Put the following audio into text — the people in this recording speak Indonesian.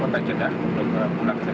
kota berapa atau berupa mereka diperankan